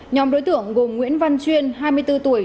nhóm đối tượng gồm nguyễn văn chuyên hai mươi bốn tuổi